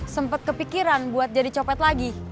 sempat kepikiran buat jadi copet lagi